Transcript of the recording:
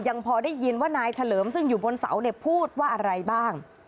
พอได้ยินว่านายเฉลิมซึ่งอยู่บนเสาเนี่ยพูดว่าอะไรบ้าง